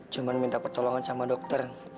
cuma minta pertolongan sama dokter